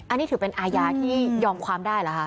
อันนี้ถือเป็นอาญาที่ยอมความได้เหรอคะ